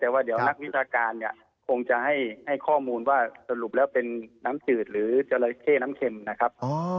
แต่ว่าเดี๋ยวนักวิชาการเนี่ยคงจะให้ข้อมูลว่าสรุปแล้วเป็นน้ำจืดหรือจราเข้น้ำเข็มนะครับ